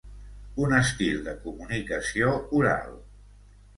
Un estil de comunicació oral.